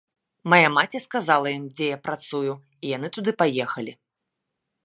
Мая маці сказала ім, дзе я працую, і яны туды паехалі.